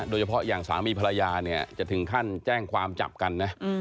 โดยเฉพาะอย่างสามีภรรยาเนี่ยจะถึงขั้นแจ้งความจับกันนะ